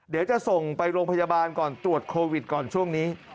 เดี๋ยวจะส่งไปโรงพยาบาลก่อนตรวจโควิดก่อนช่วงนี้